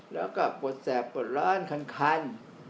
แล้วก็ปลดแสบปลดร้อนค่อนข้าง